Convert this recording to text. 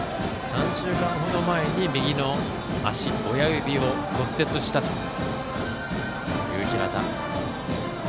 ３週間程前に右の足の親指を骨折したという平田。